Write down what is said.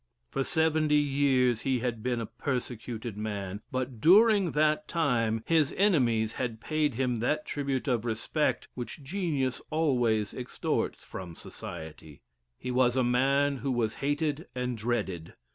For seventy years he had been a persecuted man, but during that time his enemies had paid him that tribute of respect which genius always extorts from society. He was a man who was hated and dreaded.